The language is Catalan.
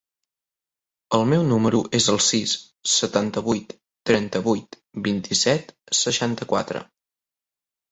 El meu número es el sis, setanta-vuit, trenta-vuit, vint-i-set, seixanta-quatre.